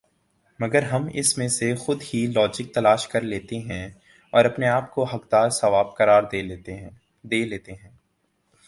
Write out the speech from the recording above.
مگر ہم اس میں سے خود ہی لاجک تلاش کرلیتےہیں اور اپنے آپ کو حقدار ثواب قرار دے لیتےہیں